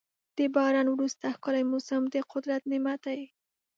د باران وروسته ښکلی موسم د قدرت نعمت دی.